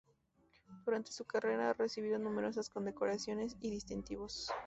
Durante su carrera ha recibido numerosas condecoraciones y distintivos.